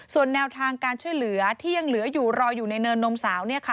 ส่วนแนวทางการช่วยเหลือที่ยังเหลืออยู่รออยู่ในเนินนมสาว